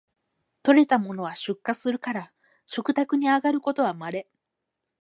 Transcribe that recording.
採れたものは出荷するから食卓にあがることはまれ